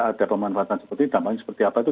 ada pemanfaatan seperti itu tampilannya seperti apa itu